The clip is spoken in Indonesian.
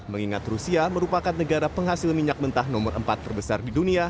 mengingat rusia merupakan negara penghasil minyak mentah nomor empat terbesar di dunia